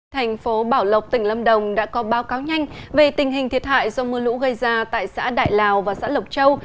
thành phố bảo lộc tỉnh lâm đồng đã có báo cáo nhanh về tình hình thiệt hại do mưa lũ gây ra tại xã đại lào và xã lộc châu